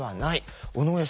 尾上さん